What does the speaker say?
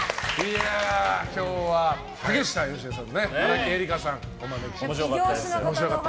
今日は竹下佳江さんと荒木絵里香さんお招きしましたけど。